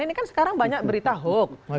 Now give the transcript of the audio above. ini kan sekarang banyak berita hoax